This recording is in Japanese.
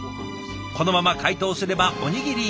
このまま解凍すればおにぎりに。